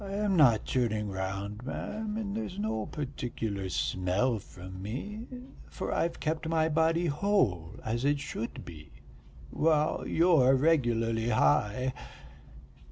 "I am not turning round, ma'am, and there's no particular smell from me, for I've kept my body whole as it should be, while you're regularly high.